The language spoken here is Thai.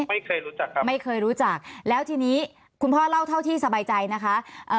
ไม่เคยรู้จักครับไม่เคยรู้จักแล้วทีนี้คุณพ่อเล่าเท่าที่สบายใจนะคะ